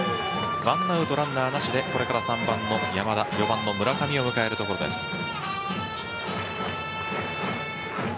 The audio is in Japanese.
ワンアウトランナー、なしでこれから３番の山田４番の村上を迎えます。